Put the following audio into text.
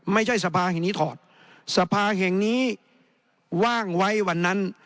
ไม่ใช่สภาแห่งนี้ถอดสภาแห่งนี้ว่างไว้วันนั้น